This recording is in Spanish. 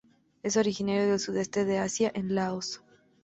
Es originaria del Sudeste de Asia en Laos.